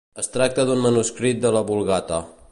Es tracta d'un manuscrit de la Vulgata.